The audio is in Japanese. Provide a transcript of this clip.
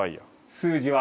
数字は？